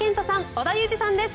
織田裕二さんです。